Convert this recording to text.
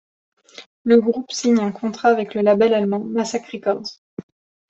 Le groupe signe un contrat avec le label allemand Massacre Records.